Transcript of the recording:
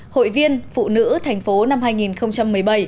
hội viên phụ nữ tp hcm năm hai nghìn một mươi bảy